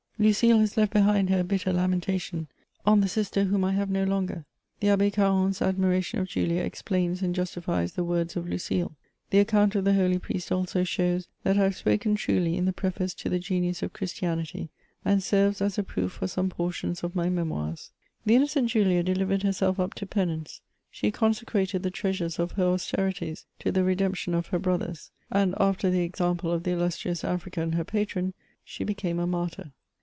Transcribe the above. Lucile has left behind her a bitter lamentation :" On the sitter whom I have no longer" The Abb^ Carron's admiration of Julia explains and justifies the words of Lucile. The account of the holy priest also shows that I have spoken truly in the preface to the Genius of ChHstiamty^ and serves as a proof for some portions of my Memoirs. The innocent Jidia delivered herself up to penance ; she consecrated the treasures of her austerities to the redemption of her brothers, and, after the example of the illustrious African her patron, she became a martyr.